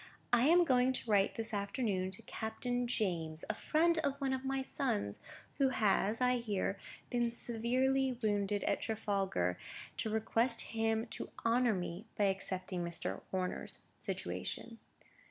I am going to write this afternoon to Captain James, a friend of one of my sons, who has, I hear, been severely wounded at Trafalgar, to request him to honour me by accepting Mr. Horner's situation."